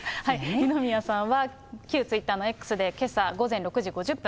二宮さんは、旧ツイッターのＸで、けさ午前６時５０分。